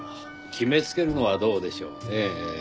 決めつけるのはどうでしょうねぇ。